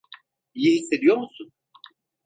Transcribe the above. İyi hissediyor musun?